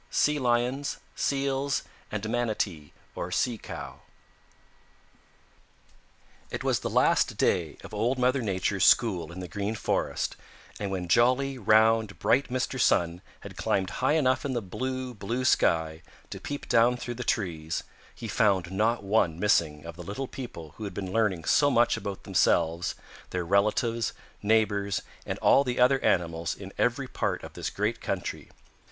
CHAPTER XL The Mammals of the Sea It was the last day of Old Mother Nature's school in the Green Forest, and when jolly, round, bright Mr. Sun had climbed high enough in the blue, blue sky to peep down through the trees, he found not one missing of the little people who had been learning so much about themselves, their relatives, neighbors and all the other animals in every part of this great country.